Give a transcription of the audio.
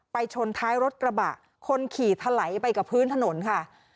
ชนท้ายรถกระบะคนขี่ถลายไปกับพื้นถนนค่ะ